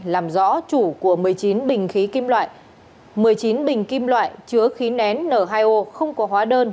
làm rõ chủ của một mươi chín bình khí kim loại một mươi chín bình kim loại chứa khí nén n hai o không có hóa đơn